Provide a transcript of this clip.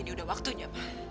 ini udah waktunya pak